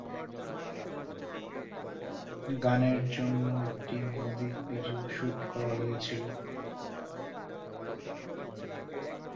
গানের জন্য একটি মিউজিক ভিডিও শ্যুট করা হয়েছিল।